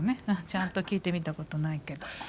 ちゃんと聞いてみたことないけど。